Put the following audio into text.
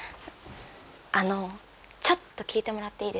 あのちょっと聞いてもらっていいですか？